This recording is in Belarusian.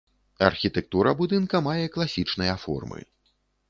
Архітэктура будынка мае класічныя формы.